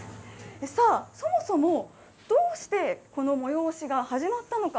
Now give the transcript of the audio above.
さあ、そもそもどうして、この催しが始まったのか。